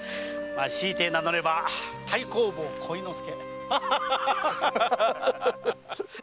強いて名乗れば「太公望鯉之助」。